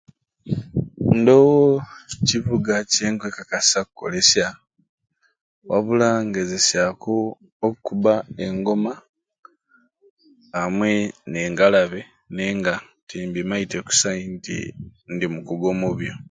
Ndoowo kivuga kyenkwekakasa kukolesya wabula ngezesyaku okukubba engoma amwe n'engalabi naye nga timbimaite kusai nti ndi mukugu omu byo.